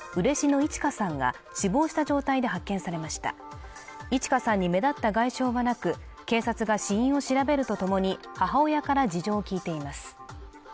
いち花さんに目立った外傷はなく警察が死因を調べるとともに母親から事情を聞いています